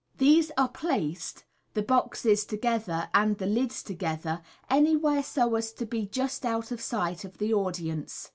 These are placed, the boxes together and the lids together, any where so as to be just out of sight of the audience.